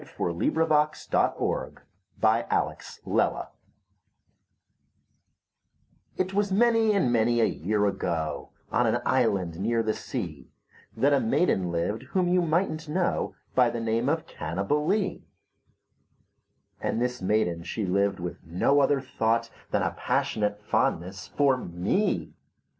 V^ Unknown, } 632 Parody A POE 'EM OF PASSION It was many and many a year ago, On an island near the sea, That a maiden lived whom you migbtnH know By the name of Cannibalee; And this maiden she lived with no other thought Than a passionate fondness for me.